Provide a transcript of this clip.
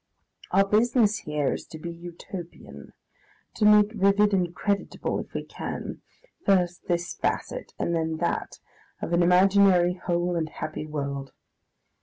Our business here is to be Utopian, to make vivid and credible, if we can, first this facet and then that, of an imaginary whole and happy world.